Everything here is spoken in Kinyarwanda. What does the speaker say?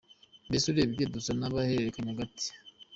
Mbese urebye dusa n’abahererekanya agati.